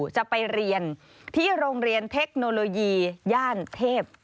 จะไปเรียนที่โรงเรียนเทคโนโลยีย่านเทพ